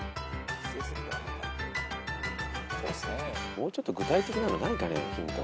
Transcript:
もうちょっと具体的なのないかねヒント。